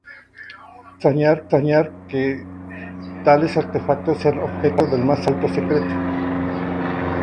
No es de extrañar que tales artefactos sean objeto del más alto secreto.